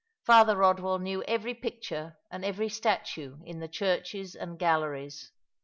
Father Eodwell knew every picture and every statue in the churches and galleries.